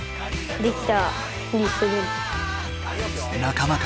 できた！